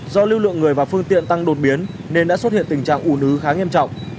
do lưu lượng người và phương tiện tăng đột biến nên đã xuất hiện tình trạng ủ nứ khá nghiêm trọng